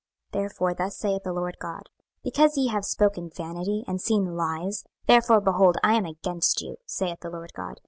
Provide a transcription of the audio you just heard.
26:013:008 Therefore thus saith the Lord GOD; Because ye have spoken vanity, and seen lies, therefore, behold, I am against you, saith the Lord GOD.